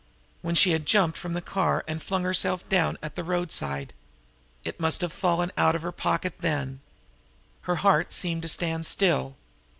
When she had jumped from the car and flung herself down at the roadside! It must have fallen out of her pocket then. Her heart seemed to stand still.